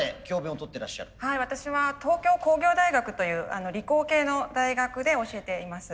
私は東京工業大学という理工系の大学で教えています。